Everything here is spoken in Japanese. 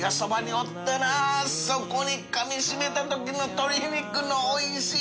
かみしめた時の鶏肉のおいしい